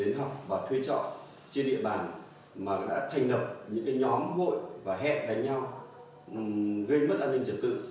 đến học và thuê trọ trên địa bàn mà đã thành lập những nhóm hội và hẹn đánh nhau gây mất an ninh trật tự